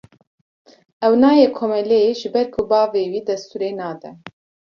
Ew nayê komeleyê ji ber ku bavê wî destûrê nade.